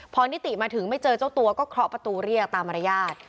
พอนิติมาถึงไม่เจอเจ้าตัวก็เคาะประตูเรียกตามมารยาท